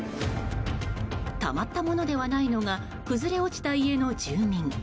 たまったものではないのが崩れ落ちた家の住民。